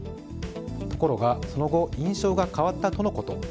ところがその後印象が変わったとのこと。